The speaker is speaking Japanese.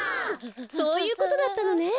そういうことだったのね。